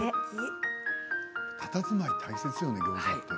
たたずまい大切よねギョーザって。